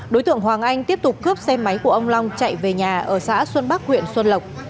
đối tượng hoàng anh tiếp tục cướp xe máy của ông long chạy về nhà ở xã xuân bắc huyện xuân lộc